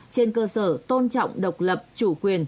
trên cơ sở tôn trọng độc lập chủ quyền